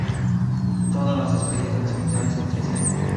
Todas las especies son similares entre sí.